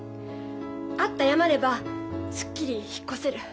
会って謝ればすっきり引っ越せる。